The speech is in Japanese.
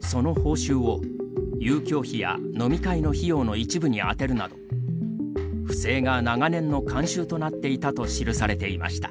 その報酬を遊興費や飲み会の費用の一部に充てるなど不正が長年の慣習となっていたと記されていました。